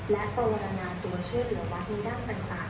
และกรณาตัวช่วยเหลือวัดในด้านต่าง